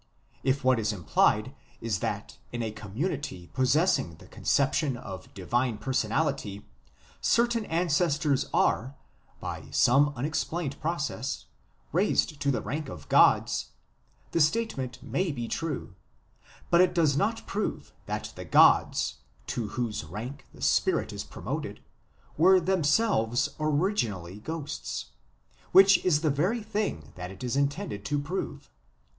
If what is implied is that in a community possessing the conception of divine personality, certain ancestors are, by some unexplained process, raised to the rank of gods, the statement may be true, but it does not prove that the gods, to whose rank the spirit is promoted, were them selves originally ghosts which is the very thing that it is intended to prove.